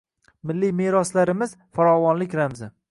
Milliy meroslarimiz farovonlik ramzi